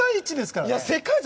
世界一！